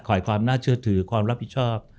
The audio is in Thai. ความน่าเชื่อถือความรับผิดชอบ